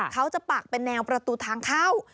เขาจะปักเป็นแนวประตูทางเข้า